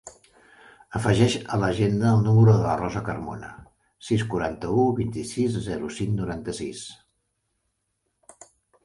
Afegeix a l'agenda el número de la Rosa Carmona: sis, quaranta-u, vint-i-sis, zero, cinc, noranta-sis.